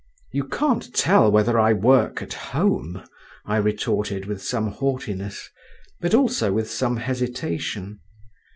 "You can't tell whether I work at home," I retorted with some haughtiness, but also with some hesitation.